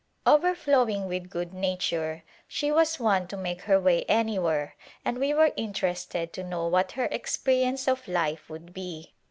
Overflowing with good nature, she was one to make her way anywhere, and we were interested to know what her experience of life would be.